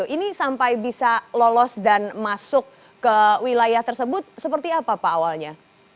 ini sampai bisa lolos dan masuk ke wilayah tersebut seperti apa pak awalnya